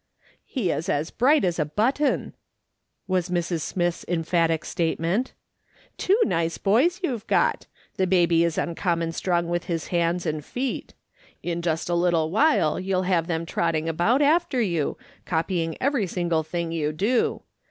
"He is as bright as u button," was Mrs. Smith's emphatic statement. ^' Two nice boys you've got ; the baby is uncommon strong with his hands and feet. In just a little while you'll have them trotting about after you, copying every single tiling you do.